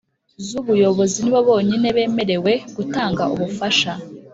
z’ubuyobozi nibo bonyine bemerewe gutanga ububasha.